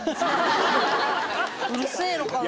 うるせえのかなあ？